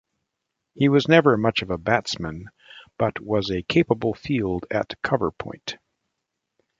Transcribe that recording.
He was never much of a batsman, but was a capable field at cover-point.